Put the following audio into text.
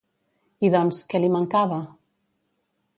I doncs, què li mancava?